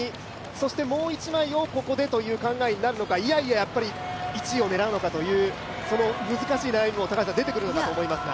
そしてもう１枚をここでという考えになるのかいやいや、１位を狙うのかという難しい悩みも出てくると思いますが。